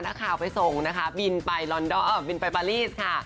นักข่าวไปส่งนะคะบินไปบินไปปารีสค่ะ